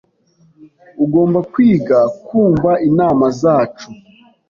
Ugomba kwiga kumva inama zacu.